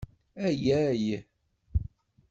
Ayay!